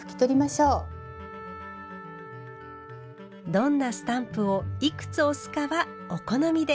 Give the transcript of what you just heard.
どんなスタンプをいくつ押すかはお好みで。